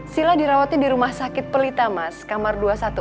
sila dirawatnya di rumah sakit pelita mas kamar dua ratus empat belas